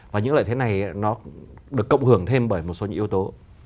và những lợi thế này nó được cộng hưởng thêm bởi một số những yếu tố